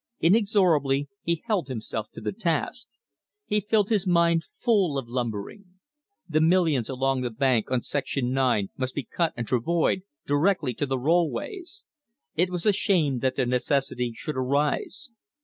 Inexorably he held himself to the task. He filled his mind full of lumbering. The millions along the bank on section nine must be cut and travoyed directly to the rollways. It was a shame that the necessity should arise.